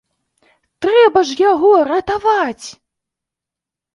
Трэба ж яго ратаваць!